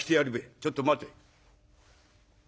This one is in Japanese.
ちょっと待て。